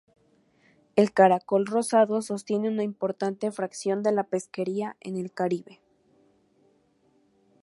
El caracol rosado sostiene una importante fracción de la pesquería en el Caribe.